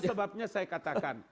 itu sebabnya saya katakan